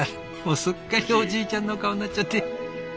すっかりおじいちゃんの顔になっちゃって。